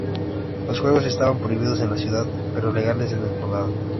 Los juegos estaban prohibidos en la ciudad, pero eran legales en el condado.